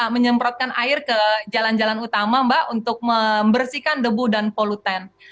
menyemprotkan air ke jalan jalan utama mbak untuk membersihkan debu dan polutan